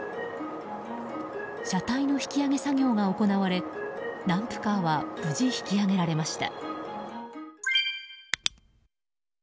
車体の引き上げ作業が行われダンプカーは無事、引き上げられました。